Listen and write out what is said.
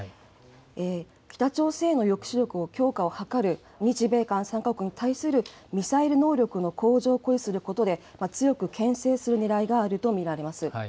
北朝鮮の抑止力の強化を図る日米韓３か国に対するミサイル能力の向上を誇示することで、強くけん制するねらいがあるものと見られます。